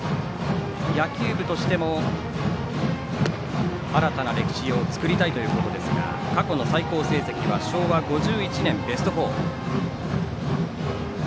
野球部としても、新たな歴史を作りたいということですが過去の最高成績は昭和５１年、ベスト４。